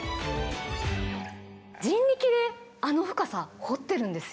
人力であの深さ掘ってるんですよ。